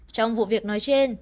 trong vụ việc nói trên